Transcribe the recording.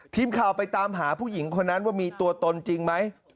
ทีมข่าวไปตามหาผู้หญิงคนนั้นว่ามีตัวตนจริงไหม